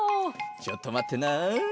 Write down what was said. ちょっとまってな。